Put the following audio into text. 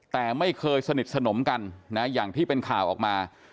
แต่ไม่เคยสนิทสนมกันนะอย่างที่เป็นข่าวออกมา